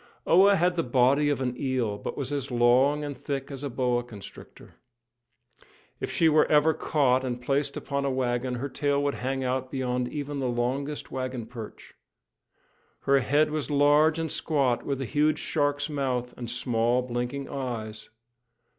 Oa had the body of an eel, but was as long and thick as a boa constrictor. If she were ever caught, and placed upon a wagon, her tail would hang out beyond even the longest wagon perch. Her head was large and squat, with a huge shark's mouth and small, blinking eyes.